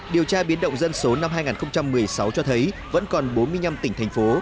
điều tra biến động dân số năm hai nghìn một mươi sáu cho thấy vẫn còn bốn mươi năm tỉnh thành phố